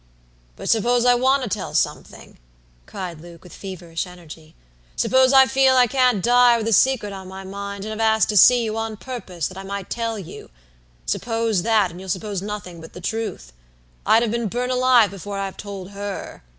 "But, suppose I want to tell something," cried Luke, with feverish energy, "suppose I feel I can't die with a secret on my mind, and have asked to see you on purpose that I might tell you; suppose that, and you'll suppose nothing but the truth. I'd have been burnt alive before I'd have told her."